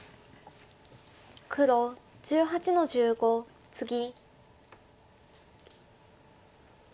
黒１８の十五ツギ。